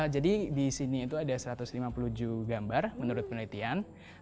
jadi di sini itu ada satu ratus lima puluh jumlah gambar menurut penelitian